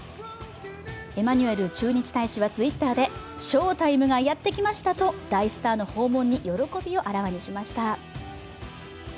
エマニュエル駐日大使はＴｗｉｔｔｅｒで翔タイムがやってきましたと大スターの訪問に喜びをあらわにしました。